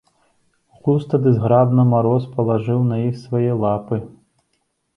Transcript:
Густа ды зграбна мароз палажыў на іх свае лапы.